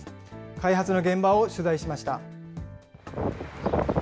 開発の現場を取材しました。